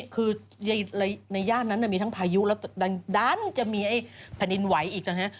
คือในย่านนั้นมีทั้งพายุแล้วดันจะมีไอ้แผ่นดินไหวอีกนะฮะ